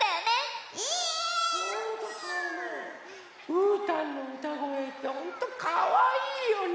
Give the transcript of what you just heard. うーたんのうたごえってほんとかわいいよね。